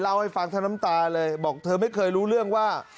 เล่าให้ฟังทั้งน้ำตาเลยบอกเธอไม่เคยรู้เรื่องว่า